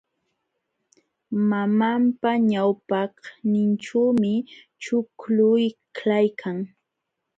Mamanpa ñawpaqninćhuumi ćhukćhulaykan.